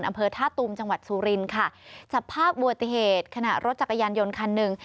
อำเภอท่าตูมจังหวัดสุรินค่ะจับภาพบวติเหตุขณะรถจักรยานยนต์คันหนึ่ง